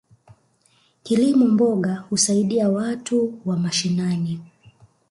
Kilimo mboga husaidia watu wa mashinani.